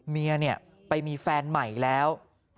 เมียไปมีแฟนใหม่แล้ว